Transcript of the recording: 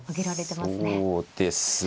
そうですね。